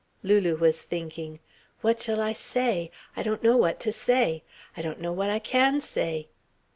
Lulu was thinking: "What shall I say? I don't know what to say. I don't know what I can say."